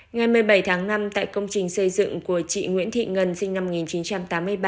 ngày một mươi bảy tháng năm tại công trình xây dựng của chị nguyễn thị ngân sinh năm một nghìn chín trăm tám mươi ba